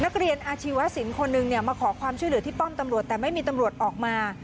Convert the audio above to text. นักเรียนอาชีวสินคนหนึ่งเนี่ยมาขอความช่วยเหลือที่ป้อมตำรวจแต่ไม่มีตำรวจออกมา